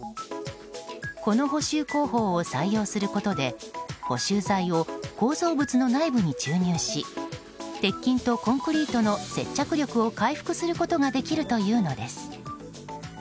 この補修工法を採用することで補修剤を構造物の内部に注入し鉄筋とコンクリートの接着力を回復することができるというのです。